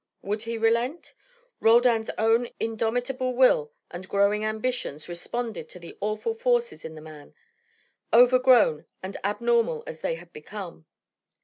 Would he relent? Roldan's own indomitable will and growing ambitions responded to the awful forces in the man, overgrown and abnormal as they had become.